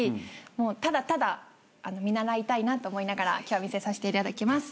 もうただただ見習いたいなと思いながら今日は見させていただきます。